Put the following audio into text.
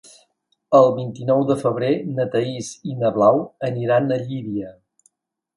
El vint-i-nou de febrer na Thaís i na Blau aniran a Llíria.